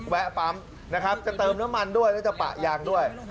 แวะปั๊มนะครับจะเติมน้ำมันด้วยแล้วจะปะยางด้วย